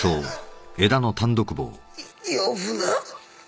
呼ぶな。